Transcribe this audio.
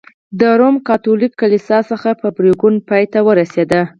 د روم کاتولیک کلیسا څخه په پرېکون پای ته ورسېد.